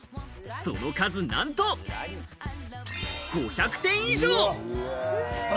その数なんと、５００点以上！